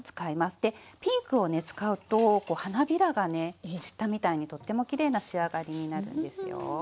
でピンクをね使うと花びらがね散ったみたいにとってもきれいな仕上がりになるんですよ。